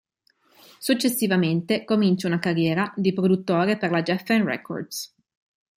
Successivamente comincia una carriera di produttore per la Geffen Records.